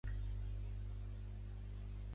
Destaca al seu interior el Crist de l'Esperança.